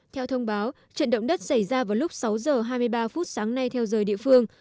theo thông báo trận động đất xảy ra vào lúc sáu h hai mươi ba phút sáng nay theo giờ địa phương